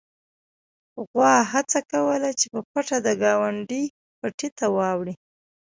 غوا هڅه کوله چې په پټه د ګاونډي پټي ته واوړي.